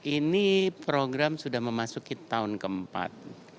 ini program sudah memasuki tahun keempat